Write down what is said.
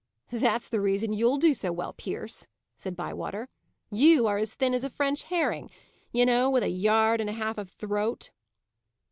"That's the reason you'll do so well, Pierce," said Bywater. "You are as thin as a French herring, you know, with a yard and a half of throat."